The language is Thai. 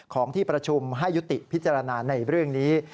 ของที่ประชุมให้ยุติพิจารณาในเรื่องนี้